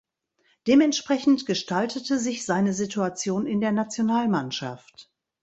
Dementsprechend gestaltete sich seine Situation in der Nationalmannschaft.